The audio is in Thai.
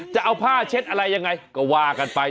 จะเอาผ้าเช็ดอะไรยังไงก็ว่ากันไป